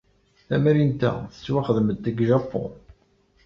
Tamrint-a tettwaxdem-d deg Japun.